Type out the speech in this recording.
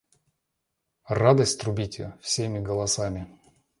Радость трубите всеми голосами!